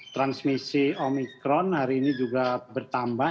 transmisi omikron hari ini juga bertambah